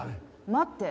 待って。